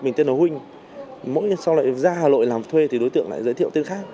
mình tên là huynh mỗi ngày sau lại ra hà nội làm thuê thì đối tượng lại giới thiệu tên khác